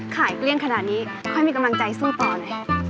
เกลี้ยงขนาดนี้ค่อยมีกำลังใจสู้ต่อหน่อย